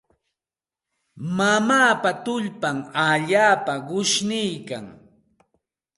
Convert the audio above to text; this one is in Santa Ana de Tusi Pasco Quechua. Mamaapa tullpan allaapa qushniikan.